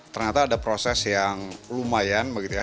ternyata ada proses yang lumayan begitu ya